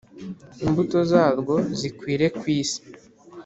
imbuto zarwo zikwire ku isi.